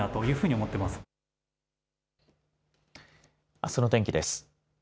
あすの天気です。